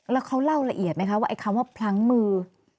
แล้วเขาเล่าละเอียดไหมคะว่าไอ้คำว่าพลั้งมือ